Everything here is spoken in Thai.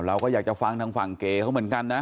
เราก็อยากจะฟังทางฝั่งเก๋เขาเหมือนกันนะ